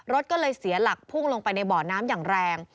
รถก็เลยเสียหลักพุ่งลงไปในบ่อน้ำอย่างแรง